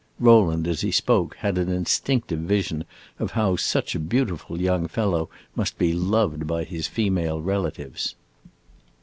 Rowland, as he spoke, had an instinctive vision of how such a beautiful young fellow must be loved by his female relatives.